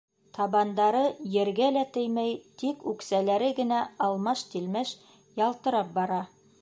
Табандары ергә лә теймәй, тик үксәләре генә алмаш-тилмәш ялтырап бара.